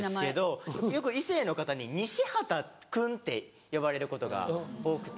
よく異性の方に西畑君って呼ばれることが多くて。